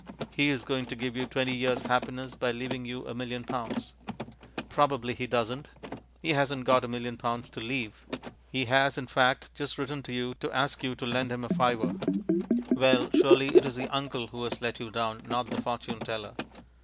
He is going to give you twenty years' happiness by leaving you a million pounds. Probably he doesn't; he hasn't got a million pounds to leave; he has, in fact, just written to you to ask you to lend him a fiver. Well, surely it is the uncle who has let you down, not the fortune teller.